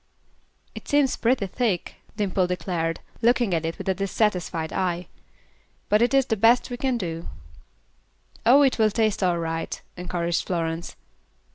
"It seems pretty thick," Dimple declared, looking at it with a dissatisfied eye; "but it is the best we can do." "Oh, it will taste all right," encouraged Florence.